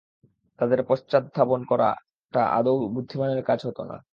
তাদের পশ্চাদ্ধাবন করাটা আদৌ বুদ্ধিমানের কাজ হত না।